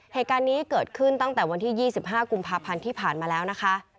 เหตุการณ์นี้เกิดขึ้นตั้งแต่วันที่๒๕กุมภาพันธ์ที่ผ่านมาแล้วนะคะ